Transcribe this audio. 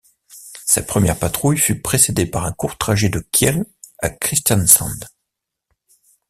Sa première patrouille fut précédée par un court trajet de Kiel à Kristiansand.